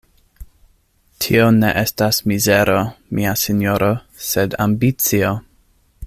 Tio ne estas mizero, mia sinjoro, sed ambicio!